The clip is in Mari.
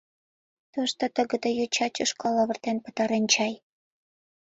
— Тушто тыгыде йоча тӱшка лавыртен пытарен чай.